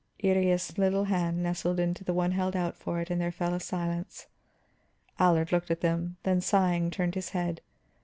Iría's little hand nestled into the one held out for it, and there fell a silence. Allard looked at them, then sighing turned his head.